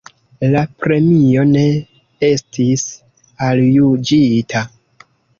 La premio ne estis aljuĝita.